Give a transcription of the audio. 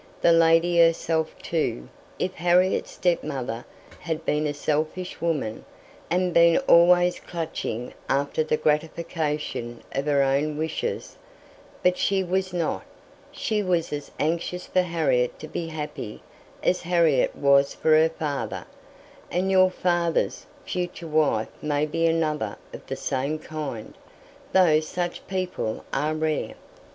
The lady herself, too if Harriet's stepmother had been a selfish woman, and been always clutching after the gratification of her own wishes; but she was not: she was as anxious for Harriet to be happy as Harriet was for her father and your father's future wife may be another of the same kind, though such people are rare."